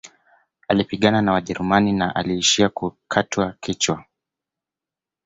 Alipigana na wajerumani na aliishia kukatwa kichwa